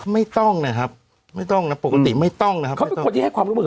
ไม่ต้องนะครับไม่ต้องนะปกติไม่ต้องนะครับเขาเป็นคนที่ให้ความรู้สึก